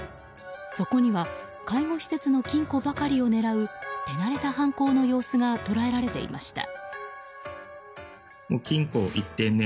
そこには介護施設の金庫ばかりを狙う手慣れた犯行の様子が捉えられていました。